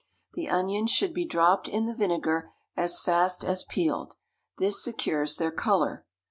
The onions should be dropped in the vinegar as fast as peeled; this secures their colour.